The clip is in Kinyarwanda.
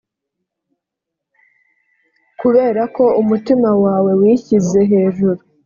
kubera ko umutima wawe wishyize hejuru